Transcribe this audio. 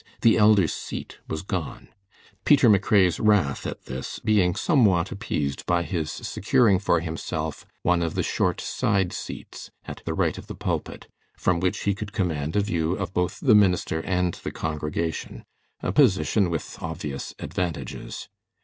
The elders' seat was gone; Peter McRae's wrath at this being somewhat appeased by his securing for himself one of the short side seats at the right of the pulpit, from which he could command a view of both the minister and the congregation a position with obvious advantages.